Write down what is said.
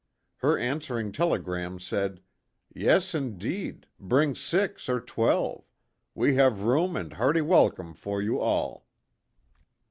Her answering telegram said "Yes indeed. Bring six or twelve. We have room and hearty welcome for you all."